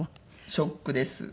ショックです。